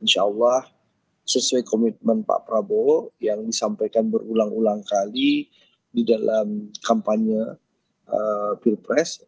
insya allah sesuai komitmen pak prabowo yang disampaikan berulang ulang kali di dalam kampanye pilpres